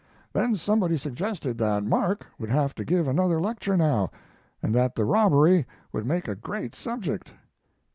Then somebody suggested that Mark would have to give another lecture now, and that the robbery would make a great subject.